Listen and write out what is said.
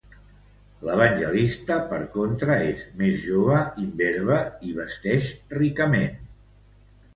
L'Evangelista, per contra, és més jove, imberbe i vesteix ricament.